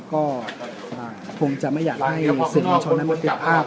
ก็อ่าคงจะไม่อยากให้สิ่งผู้ชมนั้นไม่เปรียบภาพ